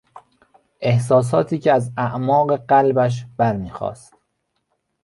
احساساتی که از اعماق قلبش برمیخاست